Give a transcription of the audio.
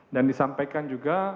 dan disampaikan juga